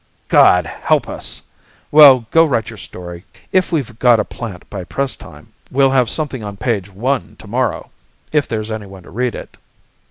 "God help us! Well, go write your story. If we've got a plant by press time, we'll have something on page one to morrow if there's anyone to read it."